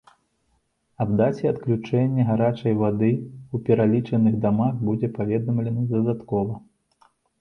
Аб даце адключэння гарачай вады ў пералічаных дамах будзе паведамлена дадаткова.